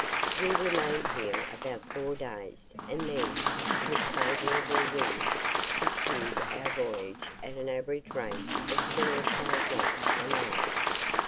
We remained here about four days, and then, with favourable winds, pursued our voyage at an average rate of ten or twelve knots an hour.